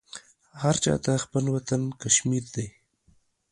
هر چا ته خپل وطن کشمیر دی.